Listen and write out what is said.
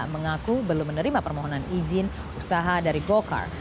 mengaku belum menerima permohonan izin usaha dari gokar